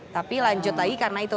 tapi lanjut lagi karena itu